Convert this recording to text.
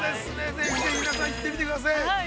ぜひぜひ皆さん行ってみてください。